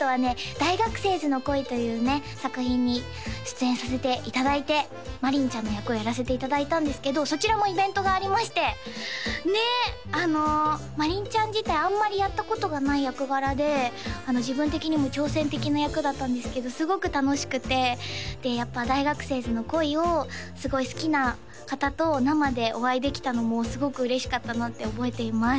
「大学生ズの恋。」というね作品に出演させていただいて真凜ちゃんの役をやらせていただいたんですけどそちらもイベントがありましてねっ真凜ちゃん自体あんまりやったことがない役柄で自分的にも挑戦的な役だったんですけどすごく楽しくてでやっぱ「大学生ズの恋。」をすごい好きな方と生でお会いできたのもすごく嬉しかったなって覚えています